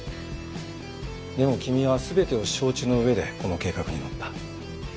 でも君は全てを承知の上でこの計画に乗った。